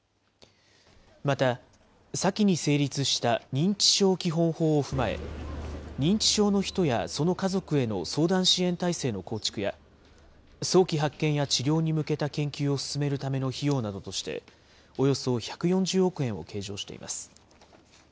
また、先に成立した認知症基本法を踏まえ、認知症の人やその家族への相談支援体制の構築や、早期発見や治療に向けた研究を進めるための費用などとして、およそ１４０億円を計上しています。